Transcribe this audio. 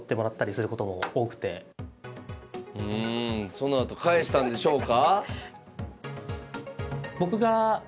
そのあと返したんでしょうか？